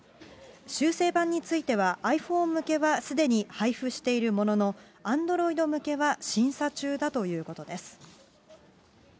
修正版については、ｉＰｈｏｎｅ向けはすでに配布しているものの、アンドロイド向けは審査中だということです。